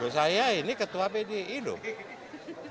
saya ini ketua pdi dong